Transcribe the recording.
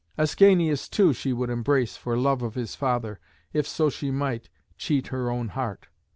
Ascanius, too, she would embrace for love of his father, if so she might cheat her own heart.